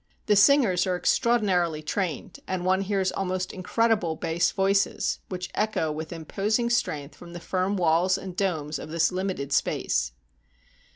The singers are extraordinarily trained, and one hears almost incredible bass voices, which echo with imposing strength from the firm walls and domes of this limited space.